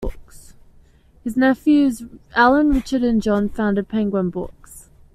His nephews, Allen, Richard and John, founded Penguin Books.